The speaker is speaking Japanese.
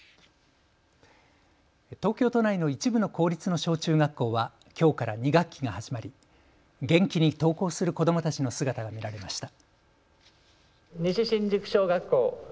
東京都内の一部の公立の小中学校はきょうから２学期が始まり元気に登校する子どもたちの姿が見られました。